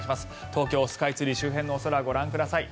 東京スカイツリー周辺のお空ご覧ください。